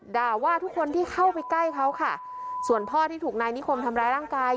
ด่าว่าทุกคนที่เข้าไปใกล้เขาค่ะส่วนพ่อที่ถูกนายนิคมทำร้ายร่างกาย